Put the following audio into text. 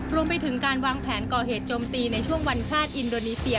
รวมไปถึงการวางแผนก่อเหตุโจมตีในช่วงวันชาติอินโดนีเซีย